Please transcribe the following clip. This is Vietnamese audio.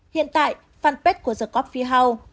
hiện tại fanpage của the coffee house